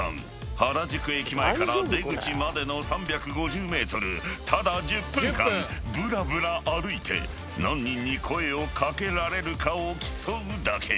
［原宿駅前から出口までの３５０ｍただ１０分間ぶらぶら歩いて何人に声を掛けられるかを競うだけ］